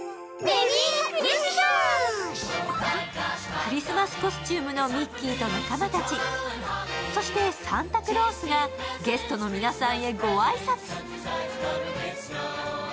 クリスマスコスチュームのミッキーと仲間たちそしてサンタクロースがゲストの皆さんへご挨拶。